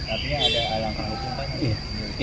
artinya ada yang mencintai